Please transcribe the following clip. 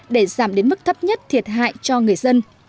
để giảm đến mức thấp nhất thiệt hại cho người dân